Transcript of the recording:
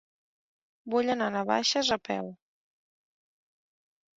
Vull anar a Navaixes a peu.